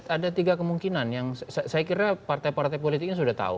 ada tiga kemungkinan yang saya kira partai partai politiknya sudah tahu